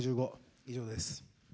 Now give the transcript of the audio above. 以上です。